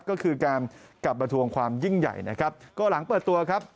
ก็คือการกลับมาทวงความยิ่งใหญ่นะครับก็หลังเปิดตัวครับ